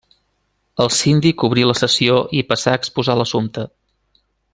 El síndic obrí la sessió i passà a exposar l'assumpte.